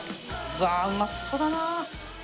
うわあうまそうだな。